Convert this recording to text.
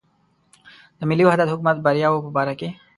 د ملي وحدت حکومت بریاوو په باره کې.